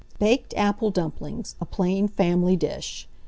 BAKED APPLE DUMPLINGS (a Plain Family Dish).